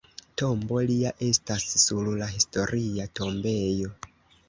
Tombo lia estas sur la Historia tombejo.